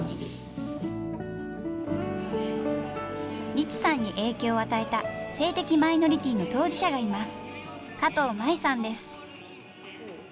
リツさんに影響を与えた性的マイノリティーの当事者がいます。